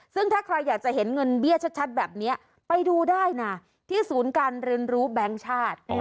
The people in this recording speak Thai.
ซึ่งถ้าใครอยากจะเห็นเงินเบี้ยชัดแบบนี้ไปดูได้นะที่ศูนย์การเรียนรู้แบงค์ชาติ